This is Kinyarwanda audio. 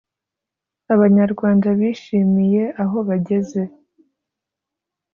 Abanyarwanda bishimiye aho bageze